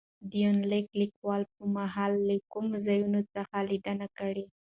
دې يونليک ليکلو په مهال له کومو ځايونو څخه ليدنه کړې